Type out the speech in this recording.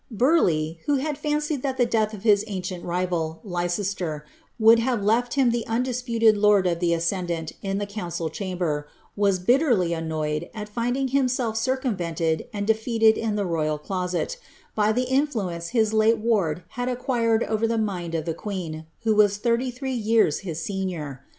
'" Burleigh, who had fancied thai the death of h ter, would have left him the undisputed lord of the ascendant in At council chamber, was bitterly annoyed at finding himself circumvented and defeated in the royal closet, by the influence his late ward hid »c quired over the mind of the queen, nho was thirty three years his senior.